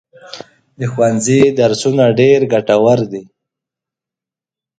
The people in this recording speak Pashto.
د ښوونځي درسونه ډېر ګټور دي.